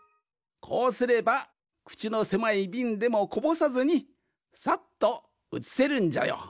こうすればくちのせまいびんでもこぼさずにさっとうつせるんじゃよ。